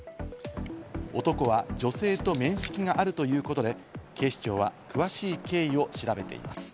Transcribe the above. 男は女性と面識があるということで、警視庁は詳しい経緯を調べています。